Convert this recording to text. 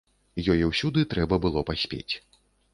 Ёй усюды трэба было паспець.